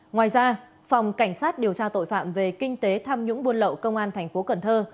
ngoài ra phòng cảnh sát điều tra tội phạm về kinh tế tham nhũng buôn lậu công an thành phố cần thơ